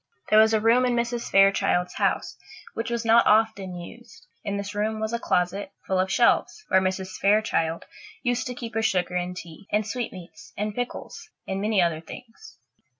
There was a room in Mrs. Fairchild's house which was not often used. In this room was a closet, full of shelves, where Mrs. Fairchild used to keep her sugar and tea, and sweetmeats and pickles, and many other things.